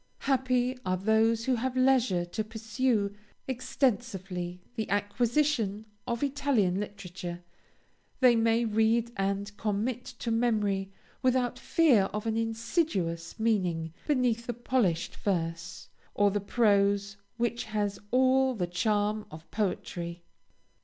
Happy are those who have leisure to pursue extensively the acquisition of Italian literature, they may read and commit to memory without fear of an insidious meaning beneath the polished verse, or the prose which has all the charm of poetry.